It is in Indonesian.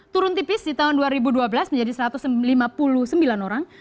turun tipis di tahun dua ribu dua belas menjadi satu ratus lima puluh sembilan orang